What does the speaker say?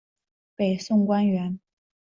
北宋官员。